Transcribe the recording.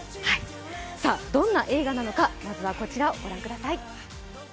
どんな映画なのか、まずはこちらをご覧ください。